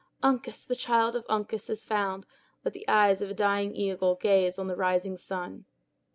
Uncas, the child of Uncas, is found! Let the eyes of a dying eagle gaze on the rising sun."